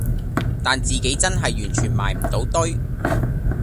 但自己真係完全埋唔到堆